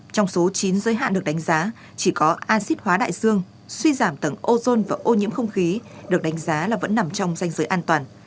trong số chín giới hạn được đánh giá chỉ có acid hóa đại dương suy giảm tầng ozone và ô nhiễm không khí được đánh giá là vẫn nằm trong danh giới an toàn